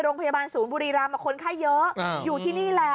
โรงพยาบาลศูนย์บุรีรำคนไข้เยอะอยู่ที่นี่แหละ